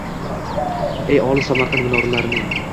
Ey, olis Samarqand minorlarining